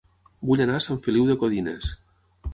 Vull anar a Sant Feliu de Codines